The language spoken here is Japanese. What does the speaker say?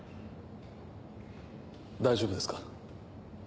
大丈夫ですか？